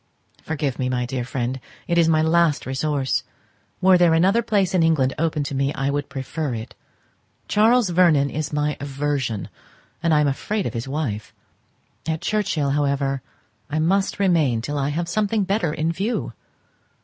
Forgive me, my dear friend, it is my last resource. Were there another place in England open to me I would prefer it. Charles Vernon is my aversion; and I am afraid of his wife. At Churchhill, however, I must remain till I have something better in view.